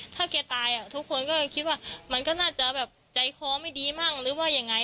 ถ้าแกตายทุกคนก็คิดว่ามันก็น่าจะแบบใจคอไม่ดีมั่งหรือว่ายังไง